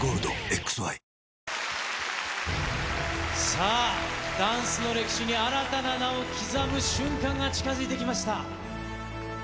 さあ、ダンスの歴史に新たな名を刻む瞬間が近づいてきました。